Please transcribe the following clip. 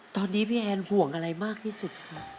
ตอนนี้พี่แอนห่วงอะไรมากที่สุดค่ะ